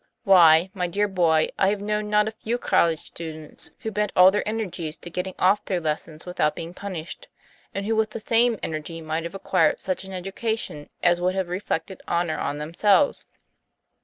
Why, my dear boy, I have known not a few college students who bent all their energies to getting off their lessons without being punished, and who with the same energy might have acquired such an educa tion as would have reflected honor on themselves.